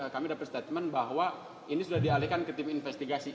kami dapat statement bahwa ini sudah dialihkan ke tim investigasi